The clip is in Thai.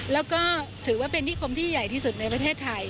แล้วก็ถือว่าเป็นนิคมที่ใหญ่ที่สุดในประเทศไทย